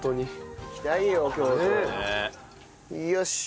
よし。